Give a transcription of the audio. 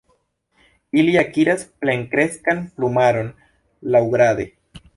Ili akiras plenkreskan plumaron laŭgrade.